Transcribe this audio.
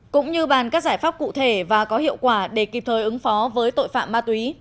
cũng như bàn các giải pháp cụ thể và có hiệu quả để kịp thời ứng phó với tội phạm ma túy